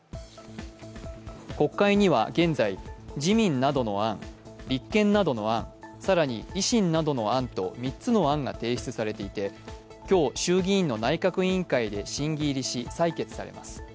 国会には現在、自民などの案、立憲などの案、更に維新などの案と３つの案が提出されていて、今日、衆議院の内閣委員会で審議入りし採決されます。